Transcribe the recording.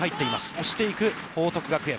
押していく報徳学園。